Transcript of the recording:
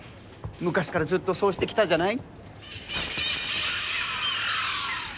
昔からずっとそうしてきたじゃない？